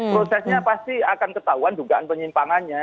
prosesnya pasti akan ketahuan dugaan penyimpangannya